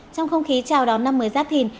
trong không khí chào đón năm mới giáp thìn